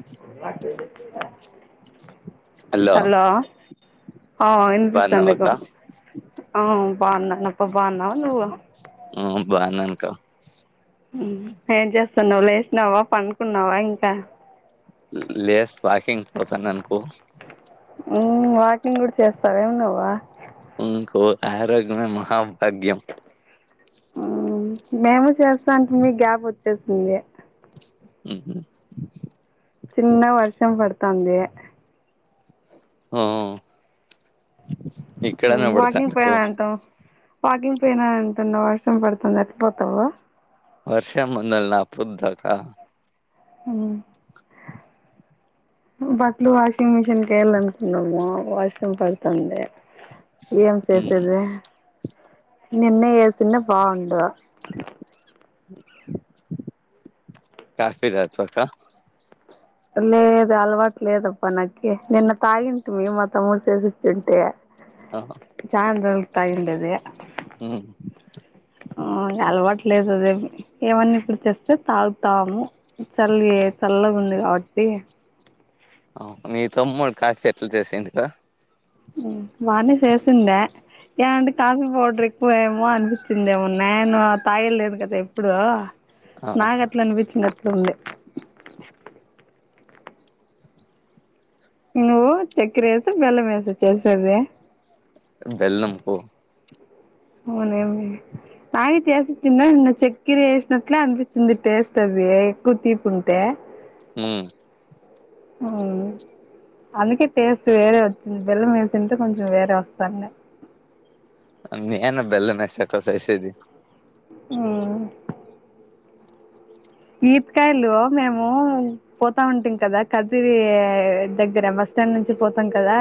[unintelligible] Hello ఆ వినిపిస్తాంది ఇపు బాగున్నావక్క ఆ బావున్నానప్ప బావున్నావా నువ్వు ఆ బావున్నా అక్క ఏం చేస్తున్నావ్ లేసినావా పండుకున్నావా ఇంకా లేస్ వాకింగ్కి పోతున్నా అనుకో ఉమ్ వాకింగ్ కూడా చేస్తావా ఏంది నువ్వు ఉమ్ ఆరోగ్యమే మహాభాగ్యం మేము చేస్తా అంటిమి గ్యాప్ వచ్చేసింది ఉహు చిన్నగ వర్షం పడతాంది ఆ మ్ వాకింగ్ పోయినా అంటావ్ వాకింగ్ పోయినాను అంటున్నావ్ వర్షం పడుతుంది ఎట్ట పోతావు వర్షం మనల్ని ఆపుద్దాకా హమ్ బట్లు వాషింగ్ మిషిన్కి వెేయాలకున్నాము వర్షం పడుతుంది ఏం మ్మ్ చేసేది నీన్న ఏసిన్న బాగుండు కాఫీ తాగితక్క లేదు అలవాట్ లేదప్పా నాకి నిన్న తాగి ఉంటుమీ మా తమ్ముడు చేసిచుంటి ఓ చాన్ రోజులకి తగుండేది ఆ ఆ అలవాటులేదు అదేమి ఏవన్నీ ఇప్పుడు చేస్తే తాగుతాము చల్లి చల్లగా ఉంది కాబట్టి మీ తమ్ముూడు కాఫీ ఎట్ల చేసిండు మార్నింగ్ చేసిందా ఏ అంటే కాఫీ పౌడర్ ఎక్కువ ఏమో అనిపించిందేమో నేను తాయి లేదు కదా ఎప్పుడు ఆ నా గట్లు అనిపించిన అట్లు ఉంది నువ్వు చక్కర వేస బెల్లం వేస చేసేది బెల్లం ఓనేమి [unintelligible] నాయి చేసిచ్చంద నిన్న చెక్కిర వేసినట్లే అనిపించింది టేస్ట్ అవి ఎక్కువ తీపు ఉంటే హ మ్మ్ అందుకే టేస్ట్ వేరే వచ్చింది బెల్లం వేసింటే కొంచెం వేరే వస్తాండి నేను బెల్లం మేసి అట్ల సేసేది ఆ ఈపకాయలు మేము పోతా ఉంటీం కదా కదిరి దగ్గర బస్ స్టాండ్ నుంచి పోతాం కదా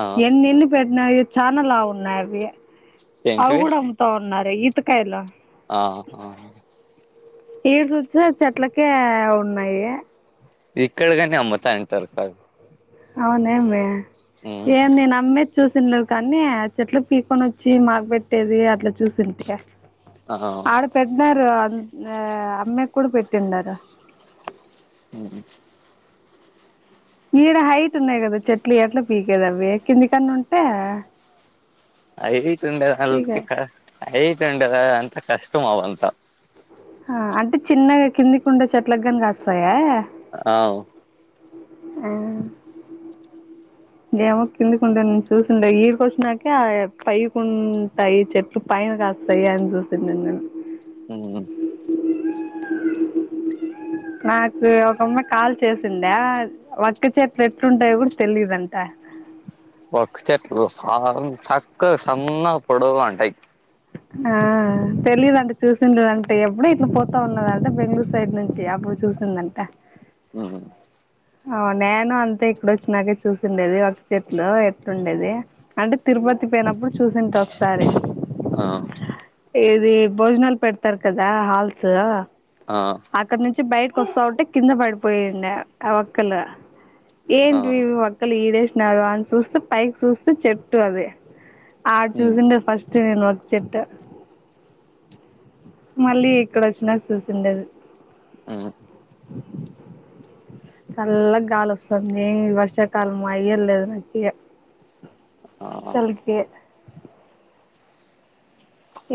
ఆ ఎన్ని ఎన్ని పెట్టినా చాన లావు ఉన్నాయి అవి ఏంటివి కూడా తన్నారు ఈత కాయలు ఆహా ఈడు చుతే చెట్లకే ఉన్నాయి ఇక్కడ కానీ అమ్ముతా ఉంటారు పక్కన అవున్ ఏమి మ్మ్ ఏం నేను అమ్ చూసిండవు కానీ చెట్లు పీకొని వచ్చి మాకు పెట్టేది అట్లా చూసిట్క ఆహ ఆడ పెట్టినరు అ అమ్మాయికి కూడా పెట్టిందట ఉమ్, ఈడ హైట్ ఉన్నాయి కదా చెట్లు ఎట్లా పీకేది అవి కిందికన్నా ఉంటే హైట్ ఉండద అల్కి పీకే క హైట్ ఉండద అంత కష్టం అవంతా ఆ అంటే చిన్నగా కింది కుండ చెట్ల కాని కాస్తాయా అవు ఊ ఏమో కిందికుంటా నేను చూసింటా ఈ కొసినకి పైకి ఉంటాయి చెట్లు పైన కాస్తాయ్ అందు తినను ఊ నాకు ఒకమ్మా కాల్ చేసిందా వట్టి చేట్లు ఎట్లుంటాయో కూడా తెలీదంట ఒక చెట్లు ఆమ్ చక్క సన్న పొడంటయి ఆ తెలీదంట చూసిండదంట ఎప్పుడు ఇట్లా పోతా ఉన్నదంటే బెంగళూరు సైడ్ నుంచి అప్పు చూసి స్తుందంట ఊ ఆ నేను అంతే ఇక్కడ వచ్చినాకే చూసిండేది ఒక చెట్లో ఎట్లుండేది అంటే తిరుపతి పోయినప్పుడు చూసింట ఒకసారి ఆ ఇది భోజనాలు పెడతారు కదా హాల్స్ ఆ అక్కడ నుంచి బయటకు వస్తా ఉంటే కింద పడిపోయింది ఆ ఒక్కలు ఆ ఆ ఏంటి ఒక్కళ ఈడేసినారు అని చూస్తే పైకి చూస్త చెట్టు అదే ఆడ్ చూసిండే ఫస్ట్ నేను ఒక చెట్ట మళ్ళీ ఇక్కడ వచ్చినాక చూసిండేది ఊ చల్ల గాలు వస్తుంది వర్షాకాలం అయ్యల్ లేదు నాకు ఇగ చలికి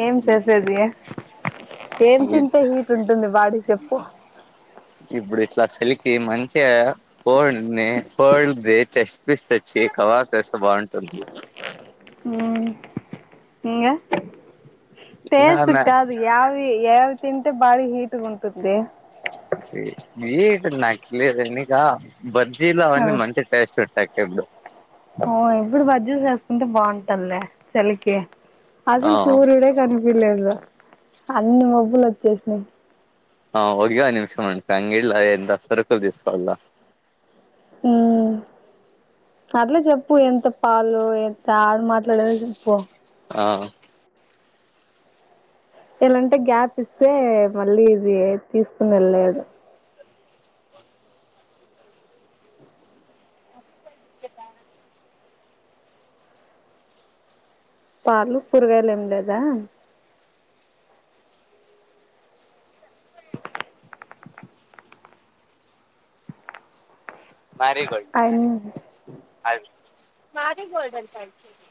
ఏం చేసేది ఏం తింటే హీట్ ఉంటుంది బాడీ చెప్పు ఇప్పుడు ఇట్లా సలికి మంచిగా పోల్ ని పోల్ ద చెస్ట్ పస్ తెచ్చి కవాస్త బాగుంటుంది ఊ ఇంగ పెసు ఇంకా కాదు ఇ యావి ఏవి తింటే బాడి హీట్గా ఉంటది వీటు నకిలిన్నికా బజ్జీలో ఆ అవన్నీ మంచి టేస్ట్ ఇట్టాక కెబులు ఓ ఇప్పుడు బజ్జీ చేసుకుంటే బాగుంటందిలే చెలికి ఆ అసలు సూర్యుడ కనిపలేదు అన్ని మబ్బులు వచ్చేసినాయి ఆ వగియవ నిమిషం మం హంగిల్ ఎంత సరుకులు తీసుకోల ఊ అట్లే చెప్పు ఎంత పాలో ఎంత ఆడ మాట్ లేదు పో ఆ ఎలాంటే గ్యాప్ ఇస్తే మళ్ళీ ఇది తీసుకుని లేదు ఇందుకే [unintelligible] పాలు కూరగాయలు ఏం లేదా మారిగోల్డ్ ఆయన అవి మారిగోల్డ్ అని చవి తీస్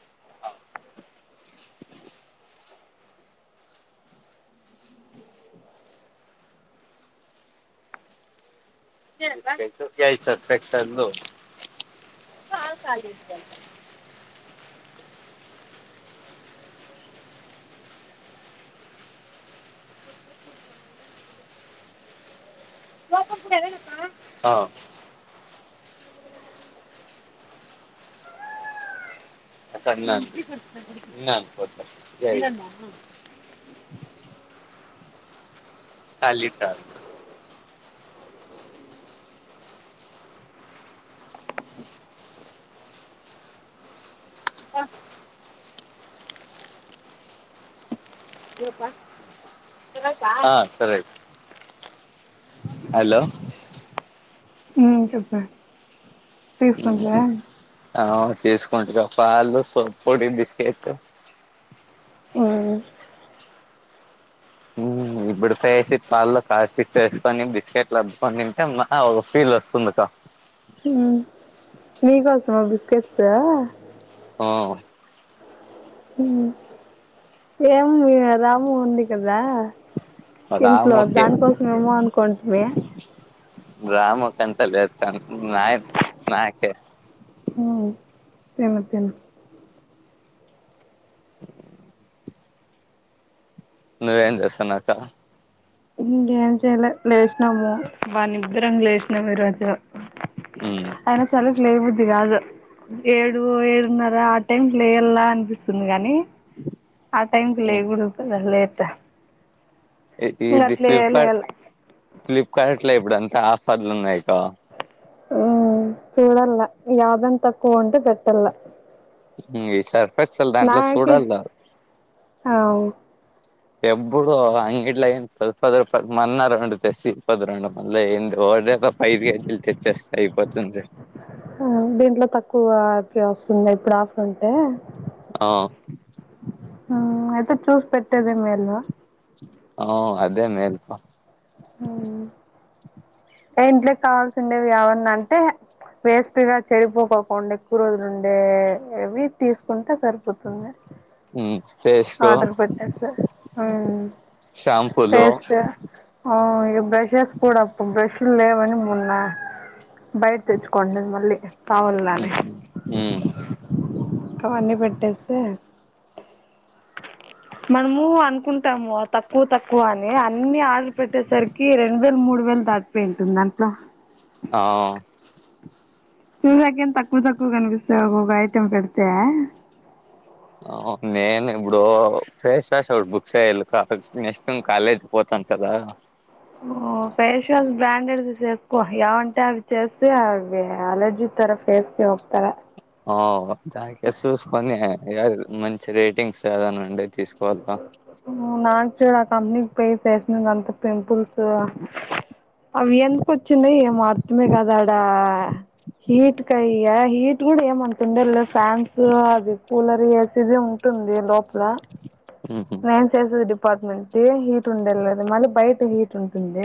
[unintelligible] ఆ కన్నాన్నా [unintelligible] తాలిట ఆ ఆ సరే హలో ఊ చెప్ప [unintelligible] ఆవు తీసుకుంట్రగా పాలు సొప్పుడి బిస్కెట్ ఊ ఇప్పుడి పేసి పాల్లో కాసిసి వేసుకొని బిస్కెట్లు అద్దుకొని తింటే మా ఒక ఫీల్ వస్తుంది క ఉమ్ మీ కోసమా బిస్కెట్స్ ఆ ఏమి రాము ఉంది కదా ఇంట్లో రాముకి దానికోసమేమో అనుకుంటిమి రాము కి అంతలేదు తనకి నా నాకే ఊ తిను తిను నువ్వేం చేస్తున్నావు క ఇంకేం చెయలే లేచినాము బానిద్దరం లేచినాము ఈ రోజు ఉమ్ అయినా చలి కి లేయ బుద్ధి కాదు ఏడు ఏడున్నర ఆ టైంకి లేయలా అనిపిస్తుంది గాని ఆ టైమ్ కి ఉమ్ లేకుడదు కదా లేట్ ఇంగ ఇది అట్లే ఫ్లిప్కార్ట్ లేయాల ఫ్లిప్కార్ట్ లో ఇప్పుడు అంతా ఆఫర్లు ఉన్నాయిక్క ఉమ్ చూడల్లా యాదన్ తక్కువ ఉంటే పెట్టల ఈ సర్ఫక్సలు దాంట్లో నాకి చూడాలి ఆ ఎప్పుడు అంగ ఇడ్ల ఏన్ పది పది రూపాయల మొన్న రొండు తెస్తి [unintelligible] ఐదు కేజీలు తెచ్చేస్తే అయిపోతుంది ఊ దీంట్లో తక్కువ చిన్మయి డ్రాప్స్ ఉంటే ఆ అయితే చూసి పెట్టేదే మేలు ఆ అదే మేలు ఏ ఇంట్లోకి కావల్సి ఉండేవి యావన్నా అంటే వేస్ట్గా చెడిపోకోకుండా ఎక్కువ రోజులు ఉండే ఇవి తీసుకుంటే సరిపోతుంది ఉమ్ పెట్టేసి ఆర్డర్ పెట్టస ఉమ్ షాంపూలు టేస్ట్ ఆఓ ఇక బ్రెషెస్ కూడాప్పు బ్రెష్లు లేవని మొన్న బయట తెచ్చుకోండి మళ్ళీ కావాలని ఉమ్ ఉమ్ అవన్నీ పెట్టేస్తే మనము అనుకుంటాము తక్కువ తక్కువ అని అన్ని ఆర్డర్ పెట్టేసరికి రెండు వేలు మూడు వేలు దా టీపెంటు దాంట్లో ఆ చూసకేం తక్కువ తక్కువ కనిపిస్తా ఐటెమ్ పెడతే ఆ నేను ఇప్పుడు ఫేస్ వాష్ ఒకటి బుక్ చేయాలి నెక్స్ట్ టైమ్ కాలేజ్ పోతాం కదా ఓ ఫేస్ వాష్ బ్రాండెడ్ ది చేస్కో ఏవంటే అవి చేస్తే అవి అలర్జీ ఇతర ఫేస్కి ఓతారా ఓ జాకెట్స్ చూసుకొని మంచి రేటింగ్స్ ఏదనాఉంటే తీసుకోవాల నాకు చూడ ఆ కంపెనీకి పోయి ఫేస్ మీంగ్ అంత పింపుల్స్ అవి ఎందుకు వచ్చిందో ఏమో అర్థమే కదాడా హీట్ క అయ్యా హీట్ ఇడ ఏమన పిండలే ఫ్యాన్స్ అది కూలర్ ఏసిది ఉంటుంది లోపల హమ్ నేను చేసేది డిపార్ట్మెంట్ హీట్ ఉండేలేదు మళ్ళీ బయట హీట్ ఉంటుంది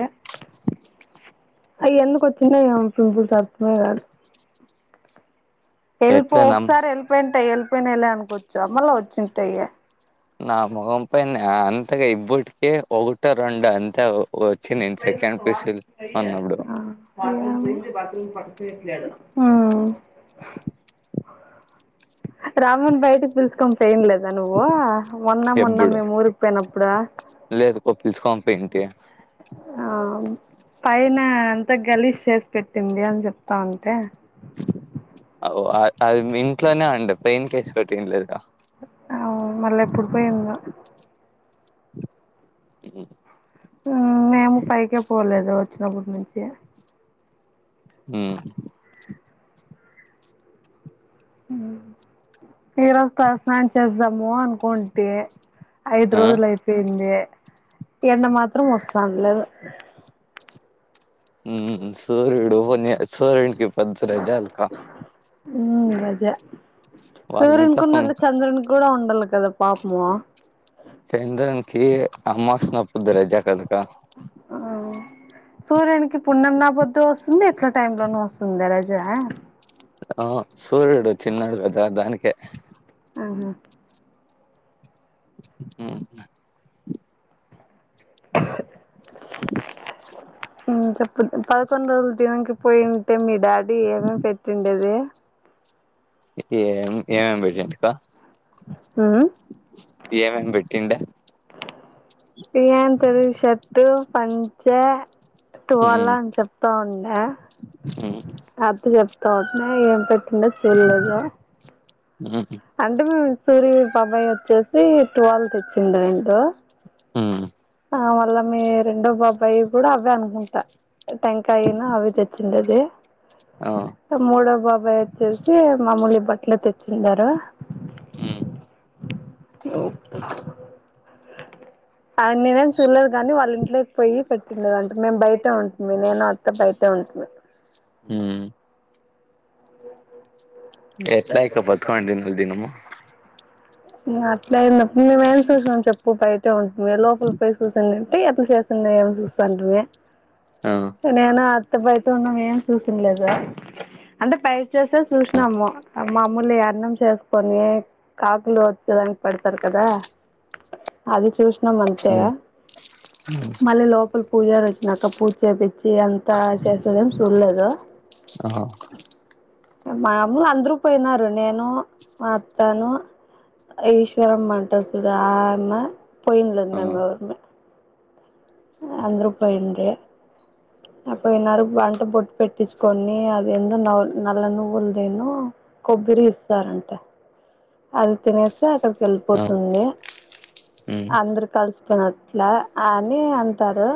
అవి ఎందుకు వచ్చినాయో ఏమో పీపుల్స్ అర్థమే కాదు ఎల్ప్ ఎట్లా నమ్ ఒకసారి వెళ్ళపోయింటాయి వెళ్ళిపోయినయిలే అనుకోవచ్చు అమ్మళ వచ్చింటాయ ఇగ నా మఖంపై అంతగా ఈబోట్ ఒకట రండు అంతే వచ్చి నేను సెకండ్ ప్లేస్ అన్నప్పుడు ఉ రామన్ బయటకి పిలుచకొని పోయిన్లేదా నువ్వు మొన్న మొన్న ఎప్పుడు మేము ఊరికిపోయినప్పుడు లేదు [unintelligible] ఏంటి ఆ పైన అంత గలీష్ చేసి పెట్టింది అని చెప్తా ఉంటే అ అది ఇంట్లోనే అండి పెయింట్ పెట్టింలేదు ఆవు మళ్ళీ ఎప్పుడు పోయిందో అఓ మేము పైకే పోలేదు వచ్చినప్పటి నుంచి ఉమ్ ఈరోజు తల స్నానం చేద్దాము అనుకుంటే ఐదు ఆ రోజులు అయిపోయింది. ఎండ మాత్రం వస్తానులేదు ఉమ్ సూర్యుడు ఒరినియక సూర్యునికి ఇబ్బంది జాలకా ఉము రజ వాళ్ళ సూర్యన్ ఇంట్లో కు న చంద్రన్ కూడా ఉండలు కదా పాపుము చంద్రన్ కి అమ్మాస్ నపుద్దార అజ కదక ఆ సూర్యునికి పున్నం నాబద్దు వస్తుంది ఎట్లా టై లోనూ వస్తుంది రజ అవును సూర్యుడు చిన్నాడు వద దానికే ఆహా హ ఉ చెప్పు పదకొండు రోజులు దిననికి పోయింటే మీ డాడీ ఏమేమి పెట్టిండేది. ఎమో ఏమేంఎం పెట్టిందుయింక ఉమ్, ఏమం ఏం పెట్టిండే పియాన్ తెలుషర్ట్ పంచ ఉమ్ తువాలా అని చెప్తా ఉండే ఉమ్ అదు చెప్ తోటనే ఏం పెట్టిందో చూళ్ళేదు ఉ అంటే మేము సూరి బాబాయి వచ్చేసి ట్వెల్త్ ఇచ్చిండు ఏంటలో ఉము ఆ మళ్ళ మీ రెండో బాబ్బాయి కూడా అవే అనుకుంటా టెంకాయనా అవి తెచ్చ చిన్నదే అ? మూడవ బాబాయ్ వచ్చేసి మాముూలు బట్టలు తెచ్చిండరు ఉహ్ ఆయన నేనేం చూడలేదు కాని వాళ్ళ ఇంట్లోకి పోయి పెట్టిండద అంటే మేము బయట ఉంటుంది నేను అత్త బయట ఉంటుంది హు ఎట్లా [unintelligible] దినము అట్లేయినప్పుడు మేమేం చూసాం చెప్పు బయట ఉంటుంది లోపల పో చూసాం అంటే అట్లా చేస్ చిన్న ఏ [unintelligible] చూసంటే ఆ నేను అత్త బయటే ఉన్నాం ఏం చూసింద్లేదు అంటే పైరు చేసే చూసినాము మామ్ముల్ల అన్నం చేసుకొని [unintelligible] వచ్చేదానికి పడతారు కదా అది చూసినాం అంతే అ మళ్ళీ లోపల పూజరు వచ్చినాక పూజ చేపించి అంతా చేస్తదేం చూడలేదు ఆఓహ మామలు అందరు పోయినారు నేను మా అత్తను ఈశ్వరమ్మ సడ ఆమె పోయినలేదు ఆ మమ్ ఎరుమ అందురు పాయింటే [unintelligible] అ పోయినరకు వంట బొట్టు పెట్టించుకొని అది [unintelligible] నల్ల నువ్వులుదేను కొబ్బరి ఇస్తారంటే అది తినేస్తే అక్కడికి ఆ వెళ్ళిపోతుంది ఉమ్ అందరు కలుసుకున్నట్ల అని అంటారు